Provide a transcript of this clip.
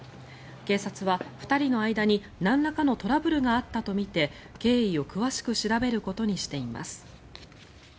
警察は２人の間になんらかのトラブルがあったとみて経緯を詳しく調べることにしています。